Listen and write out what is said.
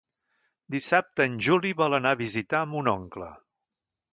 Dissabte en Juli vol anar a visitar mon oncle.